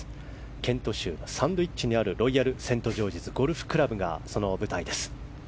ケント州のサンドウィッチにあるロイヤルセントジョージズゴルフクラブがその舞台です。